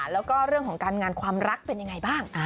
แล้วก็เรื่องของการงานความรักเป็นยังไงบ้าง